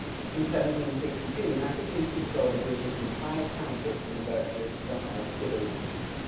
In 1762 Massachusetts sold a group of entire townships in the Berkshires to the highest bidders.